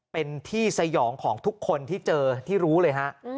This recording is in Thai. เป็นที่สยองของทุกคนที่เจอที่รู้เลยฮะ